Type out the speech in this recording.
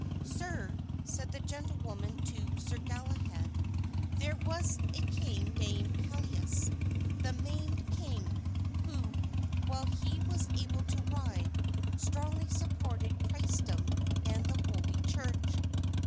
"Sir," said the gentlewoman to Sir Galahad, "there was a king called Pelleas, the maimed king, who, while he was able to ride, strongly supported Christendom and the holy church.